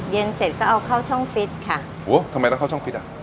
เย็นเสร็จก็เอาเข้าช่องฟิตค่ะโหทำไมต้องเข้าช่องฟิตอ่ะ